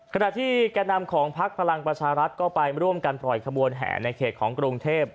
ขณะที่แก่นำของพักพลังประชารัฐก็ไปร่วมกันปล่อยขบวนแห่ในเขตของกรุงเทพ